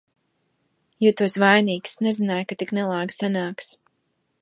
Jūtos vainīgs, nezināju, ka tik nelāgi sanāks!